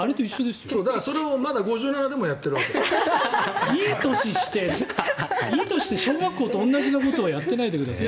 それをまだ５７でもいい年して小学校と同じのことをやってないでください。